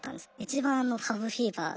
一番の羽生フィーバー。